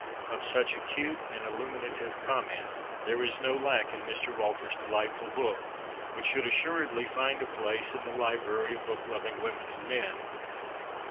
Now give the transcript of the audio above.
Of such acute and illuminative comment, there is no lack in Mr. Walters's delightful book, which should assuredly find a place in the library of book loving women and men.